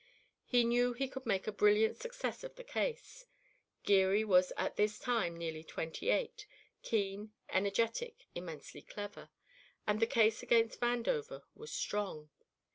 He knew he could make a brilliant success of the case. Geary was at this time nearly twenty eight, keen, energetic, immensely clever; and the case against Vandover was strong.